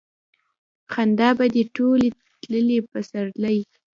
خندا به دې ټول تللي پسرلي